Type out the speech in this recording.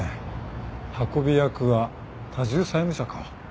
運び役は多重債務者か。